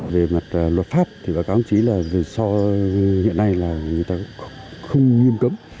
về mặt luật pháp thì báo cáo ông chí là vì so với hiện nay là người ta không nghiêm cấm